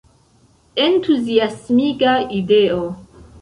Entuziasmiga ideo….